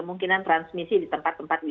yang besar sendiri pribadi tadi